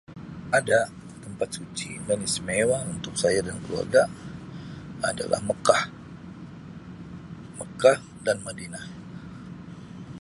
Ada tempat suci yang istimewa untuk saya dan keluarga adalah Mekah-Mekah dan Madinah.